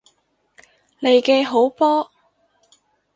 利記好波！